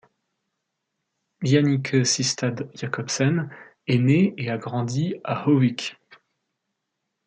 Jannicke Systad Jacobsen est née et a grandi à Høvik.